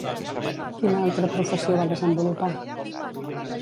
Quina altra professió va desenvolupar?